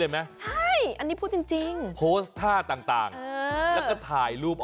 หนูโกรธใครลูก